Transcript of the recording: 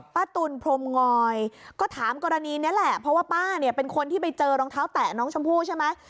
ตุลพรมงอยก็ถามกรณีนี้แหละเพราะว่าป้าเนี่ยเป็นคนที่ไปเจอรองเท้าแตะน้องชมพู่ใช่ไหม